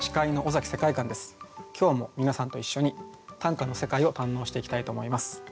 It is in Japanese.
今日も皆さんと一緒に短歌の世界を堪能していきたいと思います。